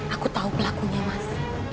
aku tahu pelakunya mas